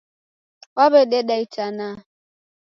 Waw'ededa itana